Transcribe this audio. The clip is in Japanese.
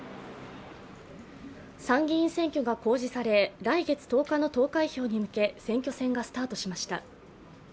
参議院選挙が公示され、来月１０日の投開票に向け、選挙戦がスタートしました。